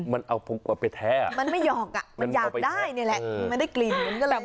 มันเอาไปแท้อ่ะมันไม่หอกอ่ะมันอยากได้นี่แหละมันได้กลิ่นมันก็เลย